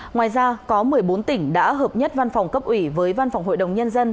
ngoài ra có một mươi bốn tỉnh đã hợp nhất văn phòng cấp ủy với văn phòng hội đồng nhân dân